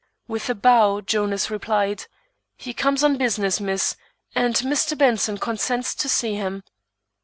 With a bow, Jonas replied: "He comes on business, miss, and Mr. Benson consents to see him."